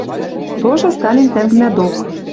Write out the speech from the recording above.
Тоже Сталин тӓнгнӓ док.